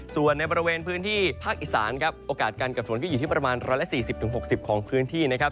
ส่วนในบริเวณพื้นที่ภาคอีสานครับโอกาสการเกิดฝนก็อยู่ที่ประมาณ๑๔๐๖๐ของพื้นที่นะครับ